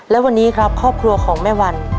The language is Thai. และวันนี้ครับครอบครัวของแม่วัน